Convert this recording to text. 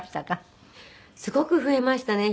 すごく増えましたね。